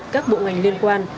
các bộ ngành liên quan